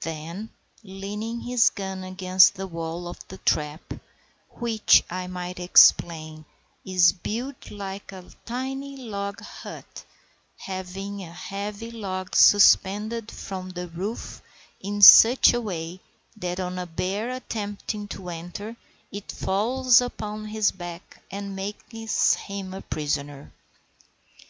Then, leaning his gun against the wall of the trap (which, I might explain, is built like a tiny log hut, having a heavy log suspended from the roof in such a way that on a bear attempting to enter it falls upon his back and makes him a prisoner).